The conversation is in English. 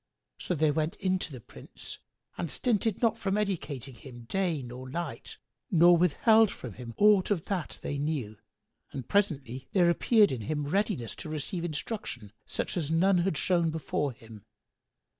So they went in to the Prince and stinted not from educating him day nor night, nor withheld from him aught of that they knew; and presently there appeared in him readiness to receive instruction such as none had shown before him.